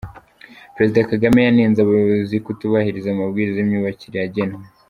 Perezida Kagame yanenze abayobozi kutubahiriza amabwiriza y’imyubakire yagenwe